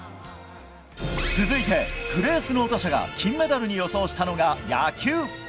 続いて、グレースノート社が金メダルに予想したのが野球。